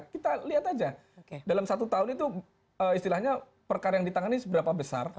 kita lihat aja dalam satu tahun itu istilahnya perkara yang ditangani seberapa besar